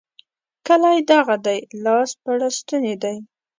کلی دغه دی؛ لاس په لستوڼي دی.